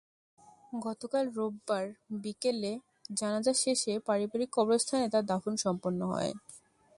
গতকাল রোববার বিকেলে জানাজা শেষে পারিবারিক কবরস্থানে তাঁর দাফন সম্পন্ন হয়।